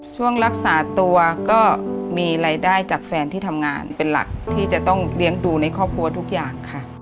ช่วงรักษาตัวก็มีรายได้จากแฟนที่ทำงานเป็นหลักที่จะต้องเลี้ยงดูในครอบครัวทุกอย่างค่ะ